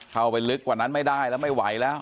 เข้าไปลึกกว่านั้นไม่ได้แล้วไม่ไหวแล้ว